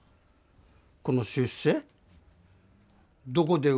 この出生？